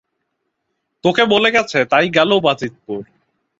তোকে বলে গেছে, তাই গেল বাজিতপুর!